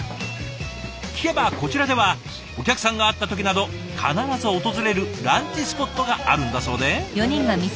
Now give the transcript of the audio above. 聞けばこちらではお客さんがあった時など必ず訪れるランチスポットがあるんだそうで。